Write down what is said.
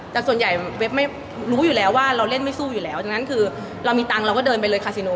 แต่ส่วนใหญ่เว็บไม่รู้อยู่แล้วว่าเราเล่นไม่สู้อยู่แล้วดังนั้นคือเรามีตังค์เราก็เดินไปเลยคาซิโน